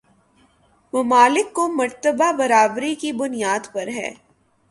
ممالک کو مرتبہ برابری کی بنیاد پر ہے